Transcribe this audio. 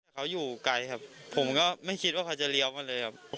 เขาอยู่ไกลครับผมก็ไม่คิดว่าเขาจะเลี้ยวมาเลยครับ